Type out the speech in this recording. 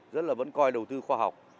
rất là vẫn coi đầu tư khoa học